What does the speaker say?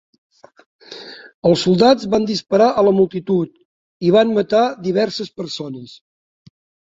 Els soldats van disparar a la multitud i van matar diverses persones.